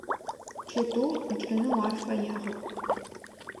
Чэтыум ӏукӏэнэу ар фэягъэп.